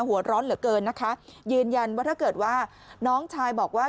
หัวร้อนเหลือเกินนะคะยืนยันว่าถ้าเกิดว่าน้องชายบอกว่า